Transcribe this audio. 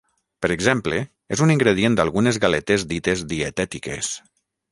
Per exemple és un ingredient d’algunes galetes dites dietètiques.